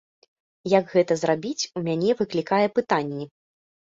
Як гэта зрабіць, у мяне выклікае пытанні.